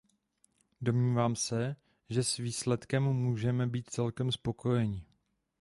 Domnívám se, že s výsledkem můžeme být celkem spokojeni.